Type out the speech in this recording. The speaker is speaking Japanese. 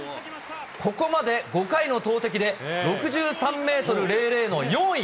ここまで５回の投てきで、６３メートル００の４位。